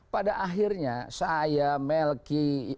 pada akhirnya saya melky